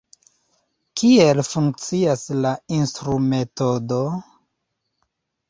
Kiel funkcias la instrumetodo?